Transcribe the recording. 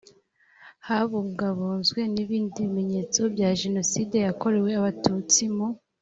habungabunzwe n ibindi bimenyetso bya jenoside yakorewe abatutsi mu